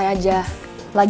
kuingin jam gak naik lagi